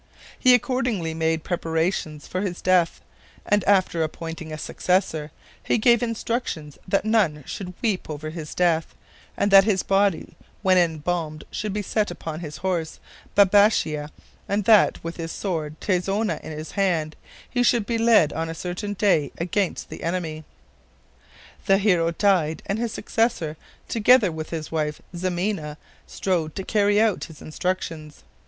He accordingly made preparations for his death, and after appointing a successor, he gave instructions that none should weep over his death, and that his body when embalmed should be set upon his horse, Babieça, and that, with his sword Tizona in his hand, he should be led on a certain day against the enemy. The hero died and his successor together with his wife Ximena strove to carry out his instructions.